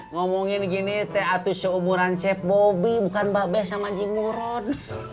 ngomongin gini teatu seumuran chef bobby bukan mbak besok mancing muron